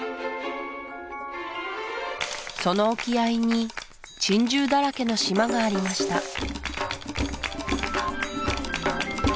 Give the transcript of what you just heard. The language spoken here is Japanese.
その沖合に珍獣だらけの島がありました